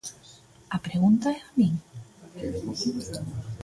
¿A pregunta é a min?